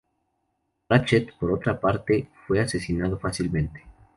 Ratchet, por otra parte, fue asesinado fácilmente.